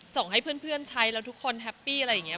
ส่งให้เพื่อนใช้แล้วทุกคนแฮปปี้อะไรอย่างนี้